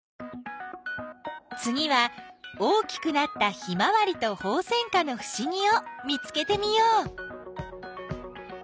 つぎは大きくなったヒマワリとホウセンカのふしぎを見つけてみよう。